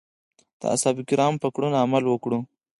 د اصحابو کرامو په کړنو عمل وکړو.